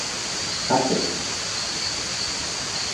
حقش بود!